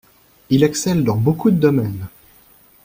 Il excelle dans beaucoup de domaines.